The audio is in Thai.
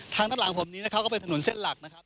ทางด้านหลังผมนี้นะครับก็เป็นถนนเส้นหลักนะครับ